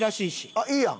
あっいいやん。